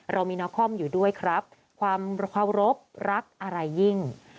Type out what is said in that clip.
เรามีนาคอมอยู่ด้วยครับความเคารพรักอะไรยิ่ง